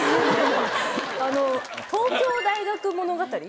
あの『東京大学物語』？